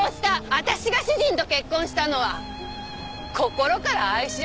私が主人と結婚したのは心から愛し合ったからじゃない。